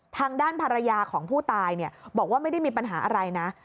ทางด้านภรรยาของผู้ตายบอกว่าไม่ได้มีปัญหาอะไรนะ